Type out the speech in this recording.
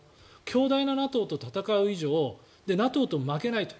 強大なＮＡＴＯと戦う以上ＮＡＴＯに負けないと。